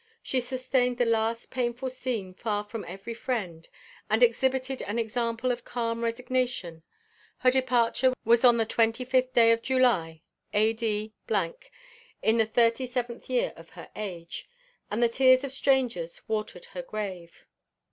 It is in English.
SHE SUSTAINED THE LAST PAINFUL SCENE FAR FROM EVERY FRIEND, AND EXHIBITED AN EXAMPLE OF CALM RESIGNATION. HER DEPARTURE WAS ON THE 25TH DAY OF JULY, A.D. , IN THE 37TH YEAR OF HER AGE; AND THE TEARS OF STRANGERS WATERED HER GRAVE.